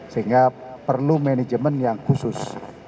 sehingga perlu manajemen yang khusus